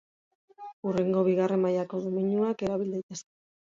Hurrengo bigarren mailako domeinuak erabil daitezke.